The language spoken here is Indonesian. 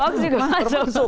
hoax juga masuk